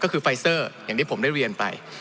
ก็คือไฟเซอร์อย่างที่ผมได้เรียนไป